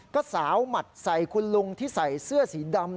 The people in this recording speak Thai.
ก็สาวหมัดใส่คุณลุงที่ใส่เสื้อสีดำ